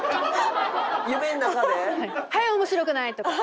「はい面白くない！」とか。